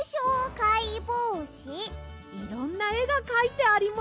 いろんなえがかいてあります。